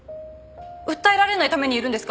訴えられないためにいるんですか？